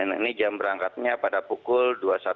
ini jam perangkatnya pada pukul